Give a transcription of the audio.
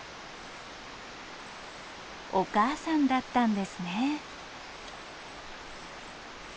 お母さんだったんですね。